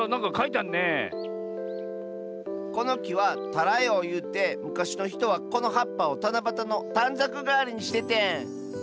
このきは「タラヨウ」ゆうてむかしのひとはこのはっぱをたなばたのたんざくがわりにしててん。